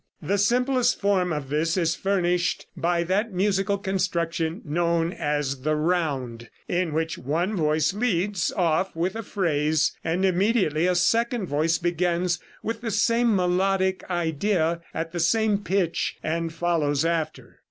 The simplest form of this is furnished by that musical construction known as "round," in which one voice leads off with a phrase, and immediately a second voice begins with the same melodic idea at the same pitch, and follows after.